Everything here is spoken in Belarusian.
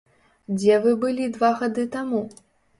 Дзе вы былі два гады таму?